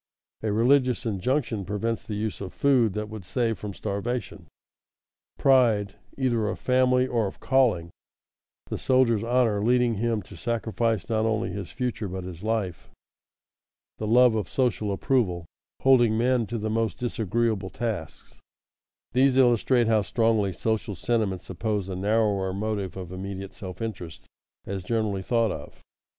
A religious injunction prevents the use of food that would save from starvation. Pride, either of family or of calling; the soldier's honor leading him to sacrifice not only his future but his life; the love of social approval, holding men to the most disagreeable tasks these illustrate how strongly social sentiments oppose the narrower motive of immediate self interest as generally thought of.